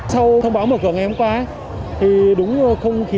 sau thông báo mở cửa ngày hôm qua thì đúng không khí